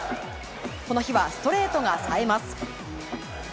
この日はストレートがさえます。